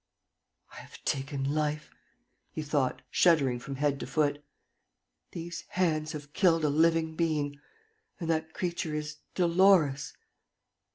"I have taken life!" he thought, shuddering from head to foot. "These hands have killed a living being; and that creature is Dolores!